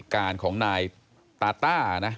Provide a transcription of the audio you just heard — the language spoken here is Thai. การของนายตาต้านะ